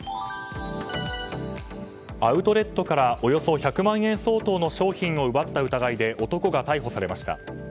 アウトレットからおよそ１００万円相当の商品を奪った疑いで男が逮捕されました。